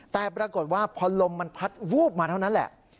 แต่ปรากฏว่าพอลมมันพัดวูบมาเท่านั้นแหละ